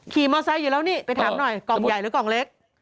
มอไซค์อยู่แล้วนี่ไปถามหน่อยกล่องใหญ่หรือกล่องเล็ก